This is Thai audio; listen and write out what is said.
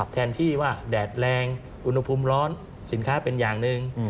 แทนที่ว่าแดดแรงอุณหภูมิร้อนสินค้าเป็นอย่างหนึ่ง